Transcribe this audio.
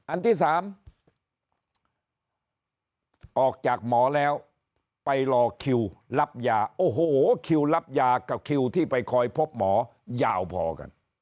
อันที่๓ออกจากหมอแล้วไปรอคิวรับยาโอ้โหคิวรับยากับคิวที่ไปคอยพบหมอยาวพอกัน